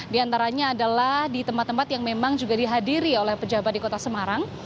di antaranya adalah di tempat tempat yang memang juga dihadiri oleh pejabat di kota semarang